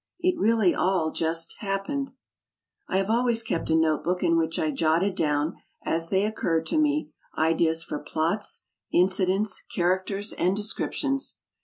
It really all just "happened." I had always kept a notebook in which I jotted down, as they occurred to me, ideas for plots, incidents, characters, D,9„,zedbyGOOgle and descriptions.